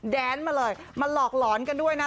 แดนมาเลยมาหลอกหลอนกันด้วยนะ